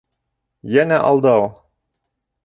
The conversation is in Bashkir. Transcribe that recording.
Йәнә алдау!